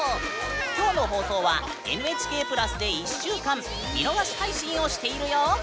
今日の放送は「ＮＨＫプラス」で１週間見逃し配信をしているよ！